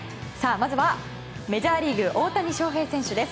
まずはメジャーリーグ大谷翔平選手です。